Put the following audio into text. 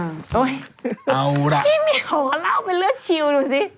เอาล่ะพี่มีขอเล่าเป็นเลือดชิลดูสิ